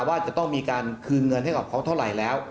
ว่าจะต้องมีการคืนเงินให้กับเขาเท่าไหร่แล้ว